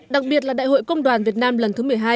đặc biệt là đại hội công đoàn việt nam lần thứ một mươi hai